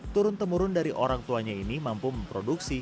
turun temurun dari orang tuanya ini mampu memproduksi